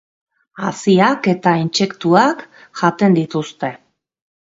Haziak eta intsektuak jaten dituzte.